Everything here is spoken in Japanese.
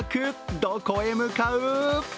どこへ向かう？